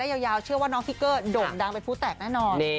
รอติดตามได้ยาวเชื่อว่าน้องฮิกเกอร์ดมดังเป็นผู้แตกแน่นอน